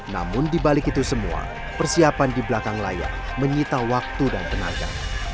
namun dibalik itu semua persiapan di belakang layar menyita waktu dan tenaga